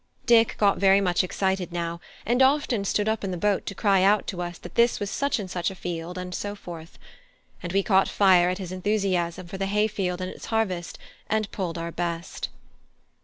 Dick got very much excited now, and often stood up in the boat to cry out to us that this was such and such a field, and so forth; and we caught fire at his enthusiasm for the hay field and its harvest, and pulled our best.